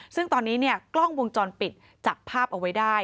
ซึ่งตอนนี้เนี่ยกล้องวงจรปิดจับภาพเอาไว้ได้